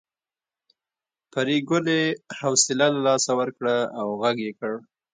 پريګلې حوصله له لاسه ورکړه او غږ یې کړ